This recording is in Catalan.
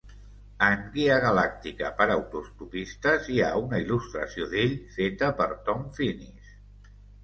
En "Guia galàctica per a autostopistes" hi ha una il·lustració d'ell feta per Tom Finnis.